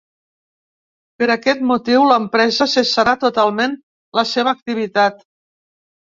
Per aquest motiu l'empresa cessarà totalment la seva activitat.